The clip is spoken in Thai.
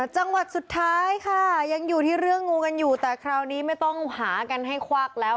จังหวัดสุดท้ายค่ะยังอยู่ที่เรื่องงูกันอยู่แต่คราวนี้ไม่ต้องหากันให้ควักแล้ว